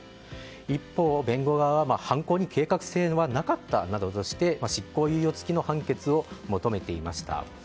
一方、弁護側は犯行に計画性はなかったなどとして執行猶予付きの判決を求めていました。